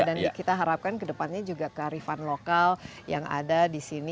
dan kita harapkan kedepannya juga kearifan lokal yang ada di sini